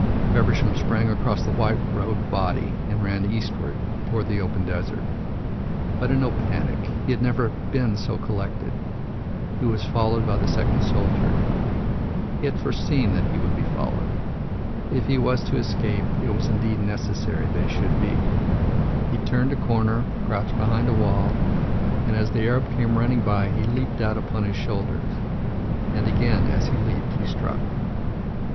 Feversham sprang across the white robed body and ran eastward, toward the open desert. But in no panic; he had never been so collected. He was followed by the second soldier. He had foreseen that he would be followed. If he was to escape, it was indeed necessary that he should be. He turned a corner, crouched behind a wall, and as the Arab came running by he leaped out upon his shoulders. And again as he leaped he struck."